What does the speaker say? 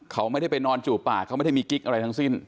เขาไม่ได้ไปนอนจูบปากเขาไม่ได้มีกิ๊กอะไรทั้งสิ้น